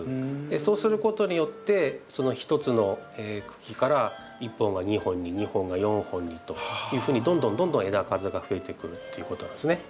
そうすることによって１つの茎から１本が２本に２本が４本にというふうにどんどんどんどん枝数がふえてくっていうことなんですね。